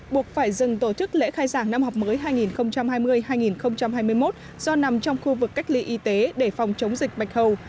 buộc phải dừng tổ chức lễ khai giảng năm học mới hai nghìn hai mươi hai nghìn hai mươi một do nằm trong khu vực cách ly y tế để phòng chống dịch bạch hầu